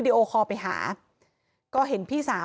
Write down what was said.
มีเรื่องอะไรมาคุยกันรับได้ทุกอย่าง